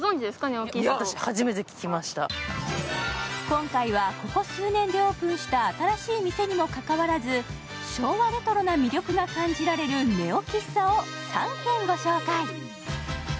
今回はここ数年でオープンした新しい店にもかかわらず昭和レトロな魅力が感じられるネオ喫茶を３軒、ご紹介。